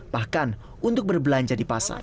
bahkan untuk berbelanja di pasar